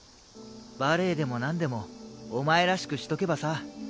バレエでもなんでもお前らしくしとけばさ。